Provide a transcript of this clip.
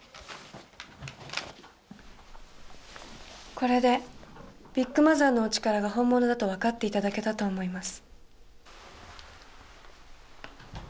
これでビッグマザーのお力が本物だとわかって頂けたと思います。